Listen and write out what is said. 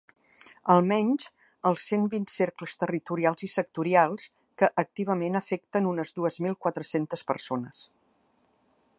Almenys, als cent vint cercles territorials i sectorials, que activament afecten unes dues mil quatre-centes persones.